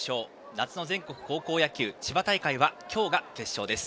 夏の全国高校野球千葉大会は今日が決勝です。